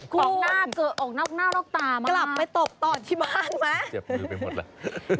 ออกหน้าเกอะออกนอกหน้านอกตามากลับไปตบต่อที่บ้านไหมเจ็บมือไปหมดแล้ว